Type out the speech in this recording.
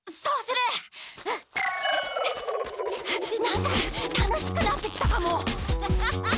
何か楽しくなってきたかも。